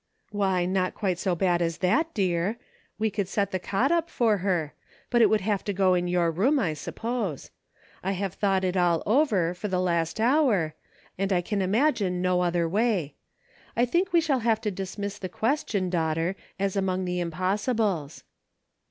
" Why, not quite so bad as that, dear. We could set the cot up for her, but it would have to go in your room, I suppose ; I have thought it all over, for the last hour, and I can imagine no other way. I think we shall have to dismiss the question, daughter, as among the impossibles."